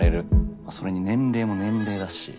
まあそれに年齢も年齢だし。